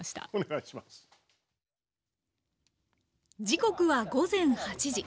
時刻は午前８時。